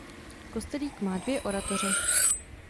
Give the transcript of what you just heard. Kostelík má dvě oratoře.